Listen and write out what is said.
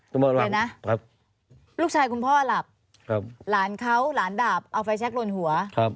อะไรนะลูกชายคุณพ่อหลับหลานเขาหลานดาบเอาไฟแช็คลนหัว